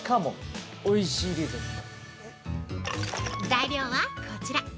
◆材料はこちら！